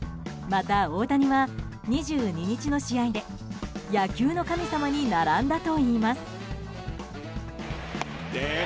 また、大谷は２２日の試合で野球の神様に並んだといいます。